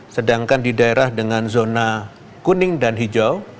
sedangkan di daerah dengan zona kuning dan hijau